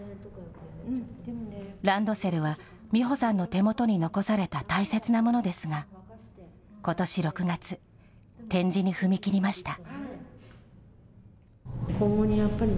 ランドセルは実穂さんの手元に残された大切なものですが、ことし６月、展示に踏み切りました。